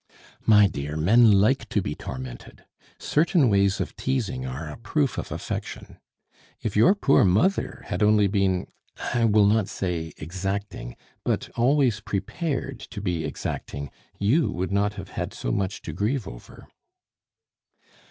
"My dear, men like to be tormented! Certain ways of teasing are a proof of affection. If your poor mother had only been I will not say exacting, but always prepared to be exacting, you would not have had so much to grieve over."